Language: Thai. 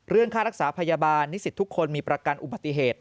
ค่ารักษาพยาบาลนิสิตทุกคนมีประกันอุบัติเหตุ